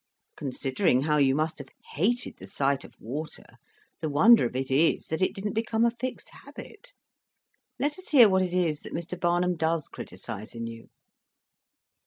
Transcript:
Considering how you must have hated the sight of water, the wonder of it is that it didn't become a fixed habit. Let us hear what it is that Mr. Barnum does criticise in you."